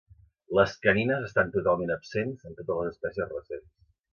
Les canines estan totalment absents en totes les espècies recents.